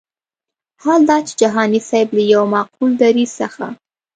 حال دا چې جهاني صاحب له یو معقول دریځ څخه.